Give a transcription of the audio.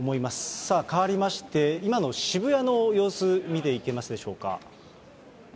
さあ、変わりまして、今の渋谷の様子、見ていきますでしょうか。